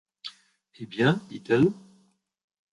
Eh bien ? dit-elle.